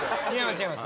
違います